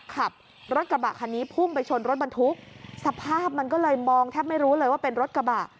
ขับรถกระบะคันนี้พุ่งไปชนรถบรรทุกสภาพมันก็เลยมองแทบไม่รู้เลยว่าเป็นรถกระบะ